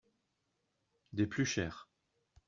Des plus chères.